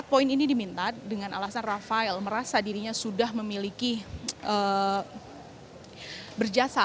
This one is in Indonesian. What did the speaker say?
poin ini diminta dengan alasan rafael merasa dirinya sudah memiliki berjasa